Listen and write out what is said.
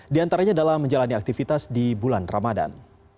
di antaranya dalam menjalani aktivitas di bulan ramadan